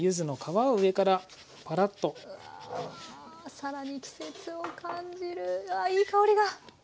更に季節を感じるうわあいい香りが。